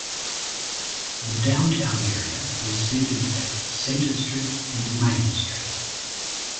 The downtown area is centred at Centre Street and Main Street.